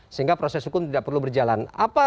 sehingga proses hukum tidak perlu berjalan